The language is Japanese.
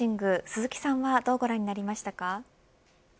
鈴木さんはどうご覧になりましたか。